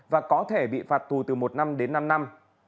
và có thể bị phạt tù từ một năm đến năm năm